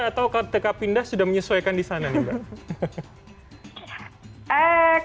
atau ketika pindah sudah menyesuaikan di sana nih kak